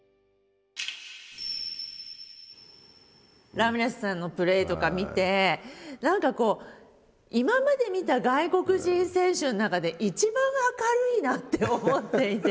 ラミレスさんのプレーとか見て何かこう今まで見た外国人選手の中で一番明るいなって思っていて。